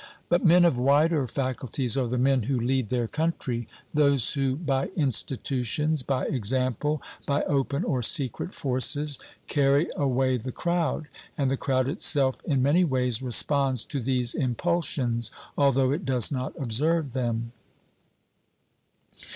But men of wider faculties are the men who lead their country. 3o8 OBERMANN those who, by institutions, by example, by open or secret forces, carry away the crowd, and the crowd itself in many ways responds to these impulsions, although it does not observe them.